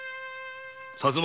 薩摩